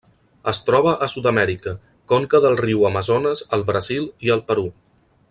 Es troba a Sud-amèrica: conca del riu Amazones al Brasil i el Perú.